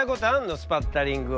スパッタリングを。